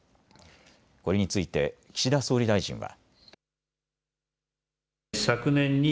これについて岸田総理大臣は。